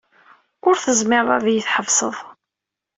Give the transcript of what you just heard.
Ur tezmireḍ ad iyi-tḥebseḍ.